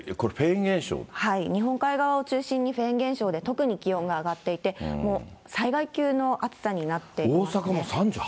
日本海側を中心にフェーン現象で特に気温が上がっていて、もう災害級の暑さになっていますね。